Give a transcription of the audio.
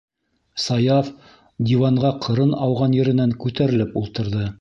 - Саяф диванға ҡырын ауған еренән күтәрелеп ултырҙы.